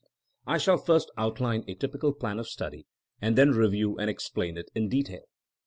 I shall first outline a typical plan of study, and then review and explain it in detail.